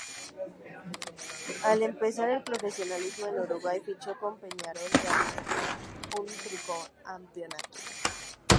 Al empezar el profesionalismo en Uruguay, fichó por Peñarol ganando un tricampeonato.